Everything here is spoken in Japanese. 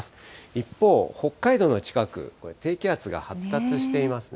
一方、北海道の近く、これ、低気圧が発達していますね。